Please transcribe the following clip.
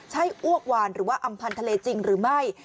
ใช่อ้วกวานหรือว่าอำพันธ์ทะเลจริงหรือไม่